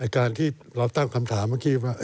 การที่เราตั้งคำถามเมื่อกี้ว่า